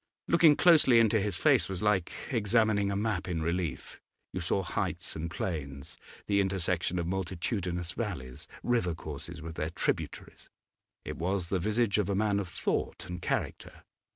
Looking closely into his face was like examining a map in relief; you saw heights and plains, the intersection of multitudinous valleys, river courses with their tributaries. It was the visage of a man of thought and character.